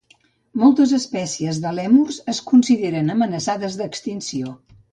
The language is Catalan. Moltes espècies de lèmurs es consideren amenaçades d'extinció.